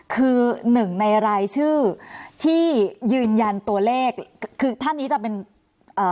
คือหนึ่งในรายชื่อที่ยืนยันตัวเลขคือท่านนี้จะเป็นเอ่อ